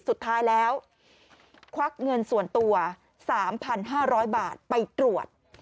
สุดท้ายแล้วควักเงินส่วนตัว๓๕๐๐บาทไปตรวจ